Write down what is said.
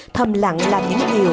thầm lặng làm những điều